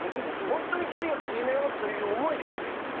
本当に距離を縮めようと思ってやってよね！